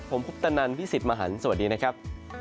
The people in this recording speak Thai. ผมคุปตะนันพี่สิทธิ์มหันฯสวัสดีนะครับ